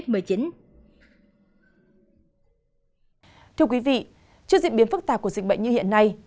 thưa quý vị trước diễn biến phức tạp của dịch bệnh như hiện nay